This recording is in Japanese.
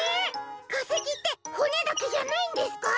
かせきってほねだけじゃないんですか？